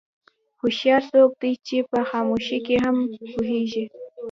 هوښیار څوک دی چې په خاموشۍ کې هم پوهېږي.